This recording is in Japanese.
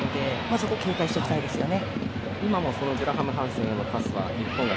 そこは警戒しておきたいですね。